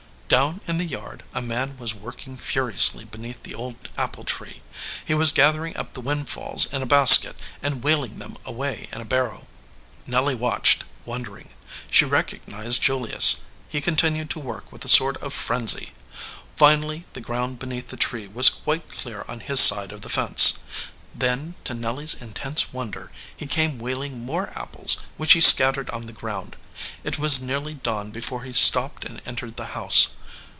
Down in the yard a man was working furiously be neath the old apple tree. He was gathering up the windfalls in a basket, and wheeling them away in a barrow. Nelly watched, wondering. She recognized Jul ius. He continued to work with a sort of frenzy. Finally the ground beneath the tree was quite clear on his side of the fence. Then, to Nelly s intense wonder, he came wheeling more apples, which he scattered on the ground. It was nearly dawn be fore he stopped and entered the house.